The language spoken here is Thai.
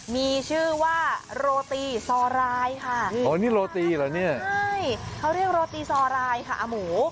มีชื่อว่าโรตีซอรายค่ะนี่อ๋อนี่โรตีเหรอเนี่ยใช่เขาเรียกโรตีซอรายค่ะอาหมู